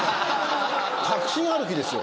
・確信歩きですよ